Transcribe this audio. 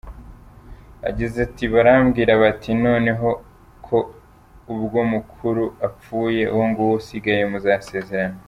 Yagize ati: “Barambwira bati noneho ko ubwo mukuru apfuye, uwo nguwo usigaye muzasezerane.